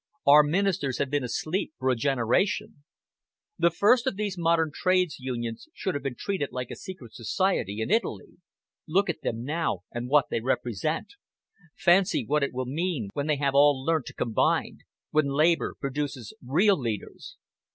Our Ministers have been asleep for a generation. The first of these modern trades unions should have been treated like a secret society in Italy. Look at them now, and what they represent! Fancy what it will mean when they have all learnt to combine! when Labour produces real leaders!"